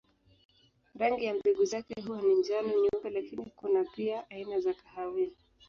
Rangi ya mbegu zake huwa ni njano, nyeupe lakini kuna pia aina za kahawia.